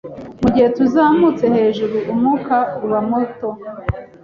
Mugihe tuzamutse hejuru, umwuka uba muto.